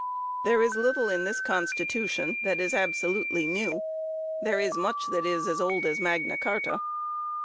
There is little in this Constitution that is ab solutely new. There is much that is as old as Magna Carta."